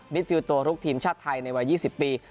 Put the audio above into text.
มิตรฟิวตัวลูกทีมชาติไทยในวัน๒๐ปี